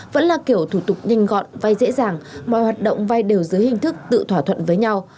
vẫn là kiểu thủ tục nhanh gọn vay dễ dàng mọi hoạt động vay đều dưới hình thức tự thỏa thuận với nhau